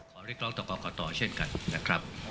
เรียกร้องต่อกรกตเช่นกันนะครับ